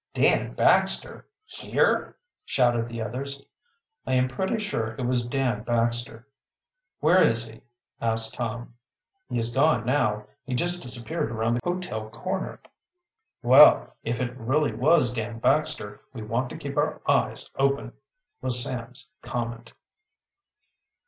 "Dan Baxter! Here?" shouted the others. "I am pretty sure it was Dan Baxter." "Where is he?" asked Tom. "He is gone now he just disappeared around the hotel corner." "Well, if it really was Dan Baxter, we want to keep our eyes open," was Sam's comment.